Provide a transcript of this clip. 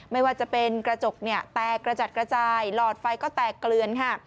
ไม่ว่าจะเป็นกระจกเนี่ยแตกกระจัดกระจายหลอดไฟก็แตกเกลือนค่ะ